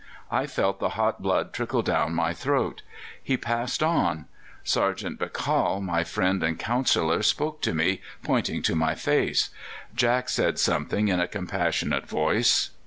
I felt the hot blood trickle down my throat. He passed on. Sergeant Bakal, my friend and counsellor, spoke to me, pointing to my face. Jack said something in a compassionate voice.